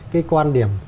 cái quan điểm